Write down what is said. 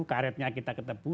karetnya kita ke tebu